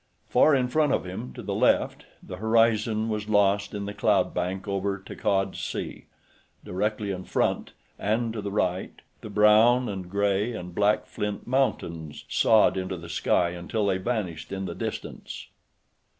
Far in front of him, to the left, the horizon was lost in the cloudbank over Takkad Sea; directly in front, and to the right, the brown and gray and black flint mountains sawed into the sky until they vanished in the distance.